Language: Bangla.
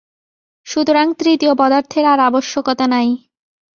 সুতরাং তৃতীয় পদার্থের আর আবশ্যকতা নাই।